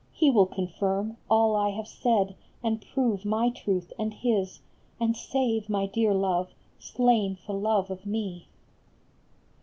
He will confirm All I have said, and prove my truth and his, And save my dear Love, slain for love of me."